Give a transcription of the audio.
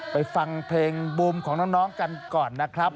ไปฟังเพลงบูมของน้องกันก่อนนะครับ